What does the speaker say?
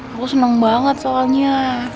aku seneng banget soalnya